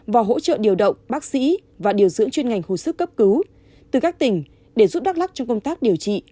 và hỗ trợ điều động bác sĩ và điều dưỡng chuyên ngành hô sức cấp cứu từ các tỉnh để giúp đắk lắc trong công tác điều trị